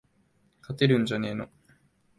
勝てるんじゃねーの